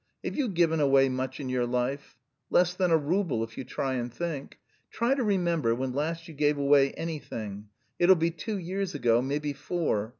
Have you given away much in your life? Less than a rouble, if you try and think. Try to remember when last you gave away anything; it'll be two years ago, maybe four.